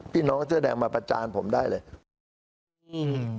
พี่น้องเจอแดงมาประจานผมได้เลย